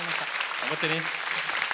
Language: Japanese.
頑張ってね。